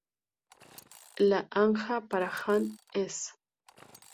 La Hanja para Han es 恨.